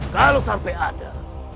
kalau sampai ada